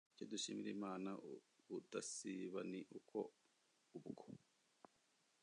icyo dushimira imana ubudasiba ni uko ubwo